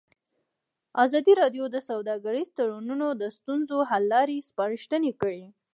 ازادي راډیو د سوداګریز تړونونه د ستونزو حل لارې سپارښتنې کړي.